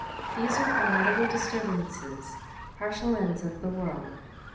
These are formidable disturbances, partial ends of the world.